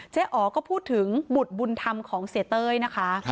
อ๋อก็พูดถึงบุตรบุญธรรมของเสียเต้ยนะคะ